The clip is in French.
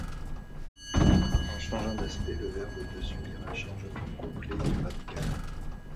En changeant d'aspect le verbe peut subir un changement complet du radical.